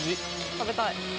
食べたい！